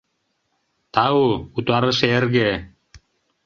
Тау, утарыше эрге.